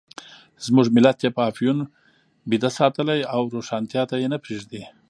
زموږ ملت یې په افیون ویده ساتلی او روښانتیا ته یې نه پرېږدي.